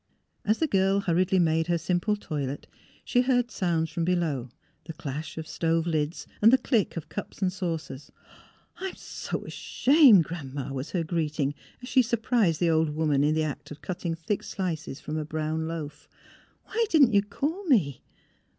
As the girl hurriedly made her simple toilet she heard sounds from be low; the clash of stove lids and the click of cups and saucers. ''I'm so ashamed, Gran 'ma! " was her greet ing, as she surprised the old woman in the act of cutting thick slices from a brown loaf. " Why didn't you call me?